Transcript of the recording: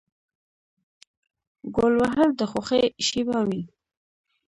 ګول وهل د خوښۍ شیبه وي.